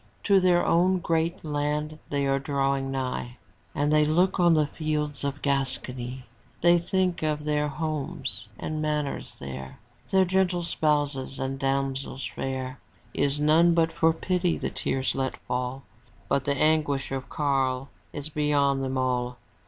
To their own great land they are drawing nigh. And they look on the fields of Gascony. They think of their homes and manors there. Their gentle spouses and damsels fair. Is none but for pity the tear lets fall, But the anguish of Karl is beyond them all.